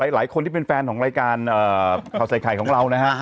หลายคนที่เป็นแฟนของรายการข่าวใส่ไข่ของเรานะฮะ